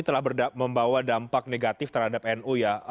telah membawa dampak negatif terhadap nu ya